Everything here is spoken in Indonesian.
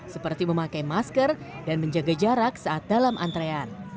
seperti memakai masker dan menjaga jarak saat dalam antrean